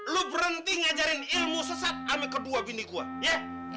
lu berhenti ngajarin ilmu sesat ami kedua bini gue ya